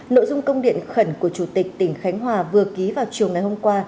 nội dung công điện khẩn của chủ tịch tỉnh khánh hòa vừa ký vào chiều ngày hôm qua